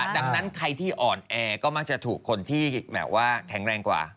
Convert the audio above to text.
ดังนั้นใครที่อ่อนแอก็มาถูกคนที่แข็งแรงกว่า